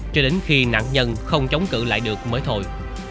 cho đến khi nạn nhân không chống cự lại được mới thôi